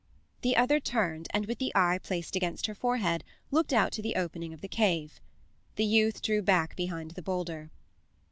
The other turned, and with the eye placed against her forehead looked out to the opening of the cave. The youth drew back behind the boulder.